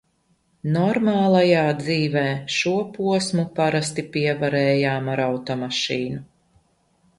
"Normālajā dzīvē" šo posmu parasti pievarējām ar automašīnu.